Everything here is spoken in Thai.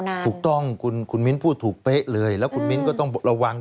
ฮ่า